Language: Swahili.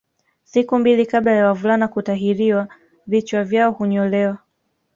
Siku mbili kabla ya wavulana kutahiriwa vichwa vyao hunyolewa